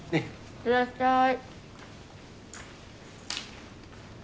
行ってらっしゃい。